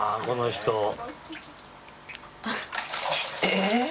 この人。